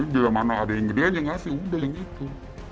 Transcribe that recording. bila mana ada yang gede aja ngasih udah yang itu